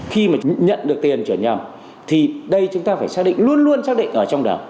khi mà nhận được tiền trở nhầm thì đây chúng ta phải xác định luôn luôn xác định ở trong đầu